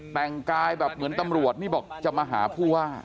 แต่งกายแบบเหมือนตำรวจนี่บอกจะมาหาผู้ว่า